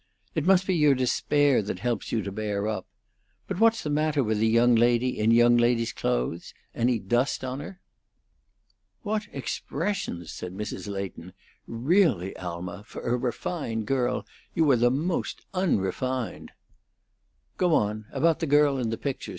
It must be your despair that helps you to bear up. But what's the matter with the young lady in young lady's clothes? Any dust on her?" "What expressions!" said Mrs. Leighton. "Really, Alma, for a refined girl you are the most unrefined!" "Go on about the girl in the picture!"